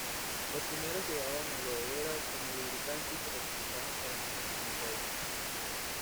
Los primeros llevaban aloe vera como lubricante y se recomendaban para las hemorroides.